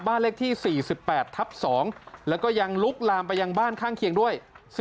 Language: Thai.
เลขที่๔๘ทับ๒แล้วก็ยังลุกลามไปยังบ้านข้างเคียงด้วย